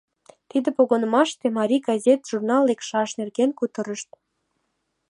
Тиде погынымашыште марий газет, журнал лекшаш нерген кутырышт.